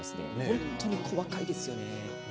本当に細かいですよね。